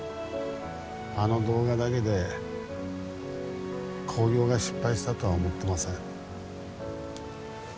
あの動画だけで興行が失敗したとは思ってません